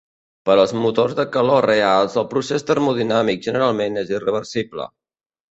Per als motors de calor reals, el procès termodinàmic generalment és irreversible.